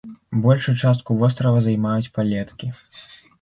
Большую частку вострава займаюць палеткі.